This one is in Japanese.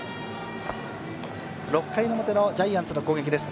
６回表のジャイアンツの攻撃です。